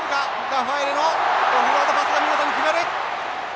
ラファエレのオフロードパスが見事に決まる。